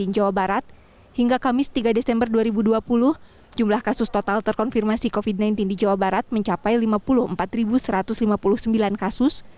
jawa barat hingga kamis tiga desember dua ribu dua puluh jumlah kasus total terkonfirmasi covid sembilan belas di jawa barat mencapai lima puluh empat satu ratus lima puluh sembilan kasus